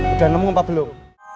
udah nemu apa belum